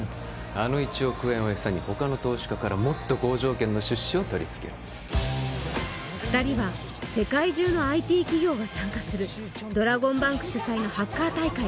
あの１億円を餌に他の投資家からもっと好条件の出資を取りつける２人は世界中のＩＴ企業が参加するドラゴンバンク主催のハッカー大会